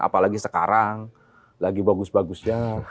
apalagi sekarang lagi bagus bagusnya